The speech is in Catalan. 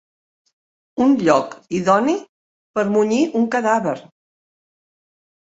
Un lloc idoni per munyir un cadàver.